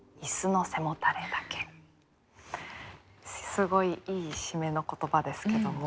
すごいいい締めの言葉ですけども。